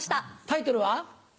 タイトルは？